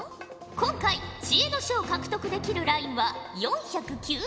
今回知恵の書を獲得できるラインは４９０ほぉじゃ。